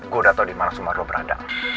gue udah tau dimana sumarro berada